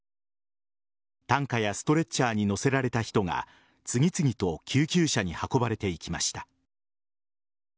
担架やストレッチャーに乗せられた人が次々と救急車に運ばれていきました。